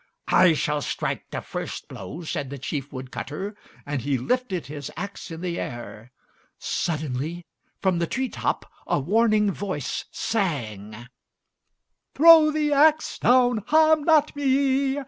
"I shall strike the first blow," said the chief wood cutter, and he lifted his axe in the air. Suddenly from the tree top a warning voice sang, "Throw the axe down, harm not me.